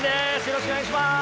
よろしくお願いします。